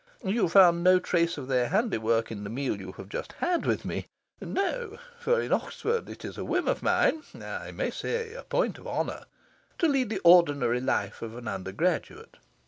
You found no trace of their handiwork in the meal you have just had with me? No; for in Oxford it is a whim of mine I may say a point of honour to lead the ordinary life of an undergraduate.